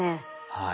はい。